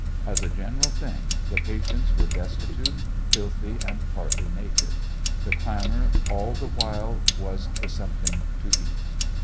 As a general thing the patients were destitute, filthy, and partly naked. The clamor all the while was for something to eat.